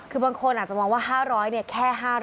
คือบางคนอาจจะมองว่า๕๐๐แค่๕๐๐